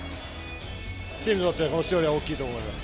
チームにとってはこの勝利は大きいと思います。